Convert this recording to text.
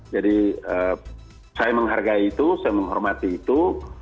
jadi saya menghargai itu saya menghormati itu